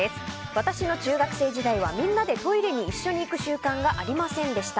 私の中学生時代はみんなでトイレに一緒に行く習慣がありませんでした。